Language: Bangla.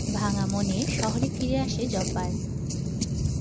ভাঙা মনে শহরে ফিরে আসে জব্বার।